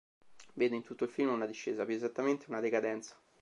Vede in tutto il film una discesa, più esattamente una decadenza.